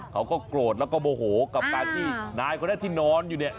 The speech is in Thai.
เขาก็โกรธแล้วก็โมโหกับการที่นายคนนั้นที่นอนอยู่เนี่ย